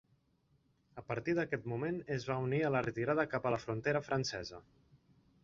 A partir d'aquest moment es va unir a la retirada cap a la frontera francesa.